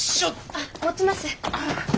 あっ持ちます。